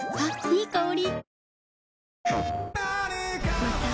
いい香り。